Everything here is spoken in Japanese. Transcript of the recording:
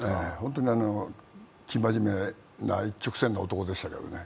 生真面目な一直線な男でしたけどね。